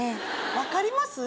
分かります？